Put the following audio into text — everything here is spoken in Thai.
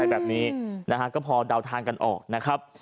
แบบนี้นะฮะก็พอเดาทางกันออกนะครับ